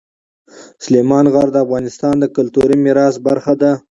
سلیمان غر د افغانستان د کلتوري میراث برخه ده.